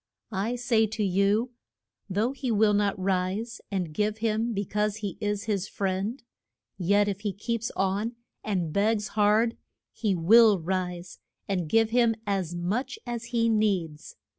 I say to you, though he will not rise and give him be cause he is his friend, yet if he keeps on and begs hard he will rise and give him as much as he needs.